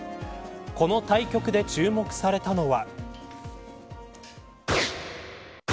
この対局で注目されたのは。